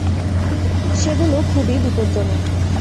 সেগুলো খুবই বিপজ্জনক।